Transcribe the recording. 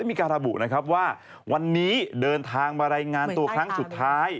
มีการระบุนะครับว่าวันนี้เดินทางมารายงานตัวครั้งสุดท้าย